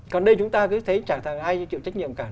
còn đây chúng ta cứ thấy chẳng thằng ai chịu trách nhiệm cả